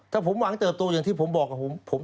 ถ้าผมหวังเติบโตอย่างที่ผมบอกกับผม